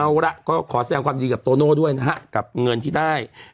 เอาละก็ขอแสดงความดีกับโตโน่ด้วยนะฮะกับเงินที่ได้